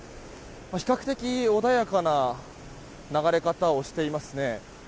比較的、穏やかな流れ方をしていますね。